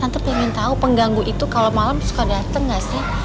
tapi ingin tau pengganggu itu kalau malem suka dateng gak sih